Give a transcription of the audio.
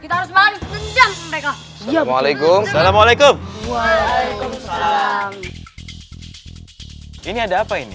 kita harus balik ke jam mereka ya waalaikum salam waalaikum waalaikum salam ini ada apa ini